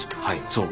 そう。